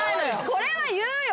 これは言うよ。